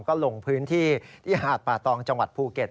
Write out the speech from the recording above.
ก็ลงพื้นที่ที่หาดป่าตองจังหวัดภูเก็ต